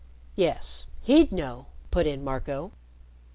"Yes, he'd know," put in Marco.